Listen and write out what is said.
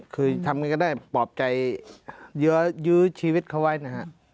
คือทำไงก็ได้ปลอบใจยื้อชีวิตเขาไว้นะฮะ